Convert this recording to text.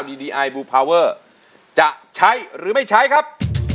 ดีดีไอบูพาวเวอร์จะใช้หรือไม่ใช้ครับ